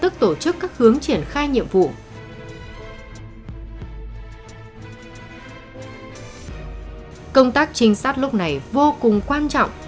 công tác chính xác lúc này vô cùng quan trọng